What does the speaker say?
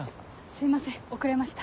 すいません遅れました。